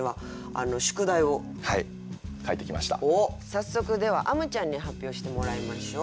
早速ではあむちゃんに発表してもらいましょう。